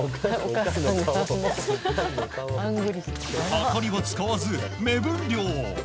はかりは使わず目分量。